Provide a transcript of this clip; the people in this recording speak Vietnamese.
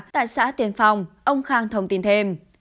tại xã tiến phong ông khang thông tin thêm